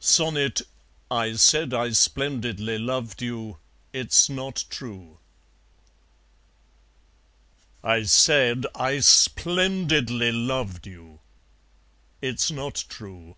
Sonnet: "I said I splendidly loved you; it's not true" I said I splendidly loved you; it's not true.